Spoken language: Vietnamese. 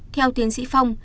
theo tiến sĩ phong